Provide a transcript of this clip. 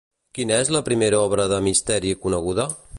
Quina és la primera obra de misteri coneguda?